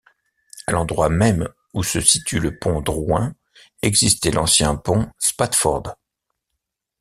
À l'endroit même où se situe le pont Drouin, existait l'ancien pont Spafford.